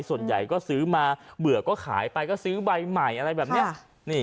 ส่วนใหญ่ก็ซื้อมาเบื่อก็ขายไปก็ซื้อใบใหม่อะไรแบบนี้